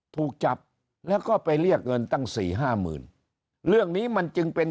ถูกจับแล้วก็ไปเรียกเงินตั้งสี่ห้าหมื่นเรื่องนี้มันจึงเป็น